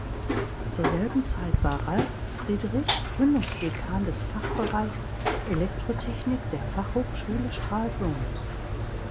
Zur selben Zeit war Ralf Friedrich Gründungsdekan des Fachbereichs Elektrotechnik der Fachhochschule Stralsund.